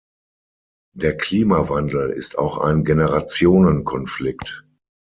Der Klimawandel ist auch ein Generationenkonflikt.